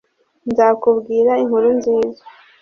nzakubwira inkuru nziza